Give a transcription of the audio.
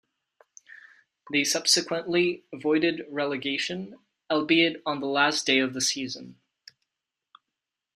They subsequently avoided relegation, albeit on the last day of the season.